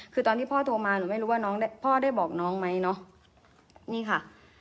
คือตอนที่พ่อโทรมาหนูไม่รู้ว่าน้องพ่อได้บอกน้องไหมเนอะนี่ค่ะ